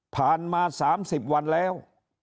ผ่านมา๓๐วันแล้ว